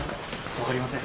分かりません。